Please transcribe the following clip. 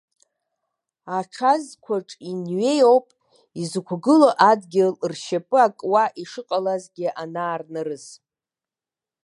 Аҽ азқәаҿ ианҩеи ауп изықәгылоу адгьыл ршьапы акуа ишыҟалазгьы анаарнырыз.